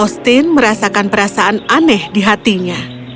stun merasakan lakukan hal yang aneh di hatiny